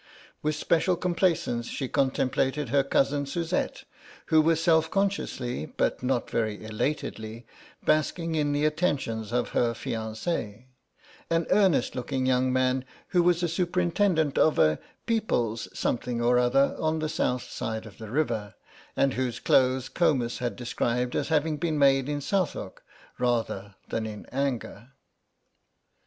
With special complacence she contemplated her cousin Suzette, who was self consciously but not very elatedly basking in the attentions of her fiancé, an earnest looking young man who was superintendent of a People's something or other on the south side of the river, and whose clothes Comus had described as having been made in Southwark rather than in anger.